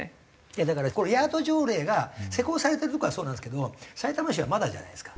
だからヤード条例が施行されてるとこはそうなんですけどさいたま市はまだじゃないですか。